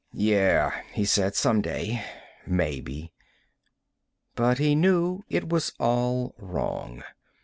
"Yeah," he said. "Someday, maybe." But he knew it was all wrong.